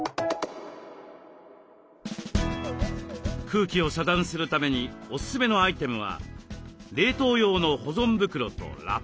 空気を遮断するためにおすすめのアイテムは冷凍用の保存袋とラップ。